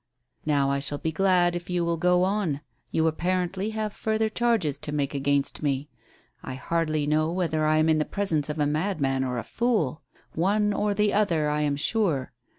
"Now I shall be glad if you will go on. You apparently have further charges to make against me. I hardly know whether I am in the presence of a madman or a fool. One or the other, I am sure.